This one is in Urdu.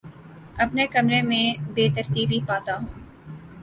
اپنے کمرے میں بے ترتیبی پاتا ہوں